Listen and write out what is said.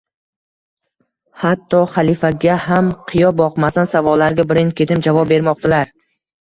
Xatto xalifaga ham qiyo boqmasdan savollarga birin ketin javob bermoqdalar